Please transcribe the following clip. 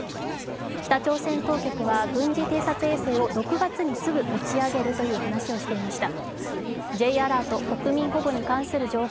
北朝鮮当局は軍事偵察衛星を６月にすぐ打ち上げると通告していました。